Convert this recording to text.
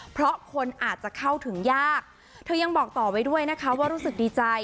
เพราะคนอาจจะเข้าถึงยากเธอยังบอกต่อไว้ด้วยนะคะว่ารู้สึกดีใจ